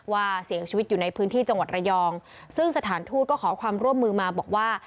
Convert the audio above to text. ว่าเสียชีวิตอยู่ในพื้นที่จังหวัดระยองซึ่งสถานทูตก็ขอความร่วมมือมาบอกว่า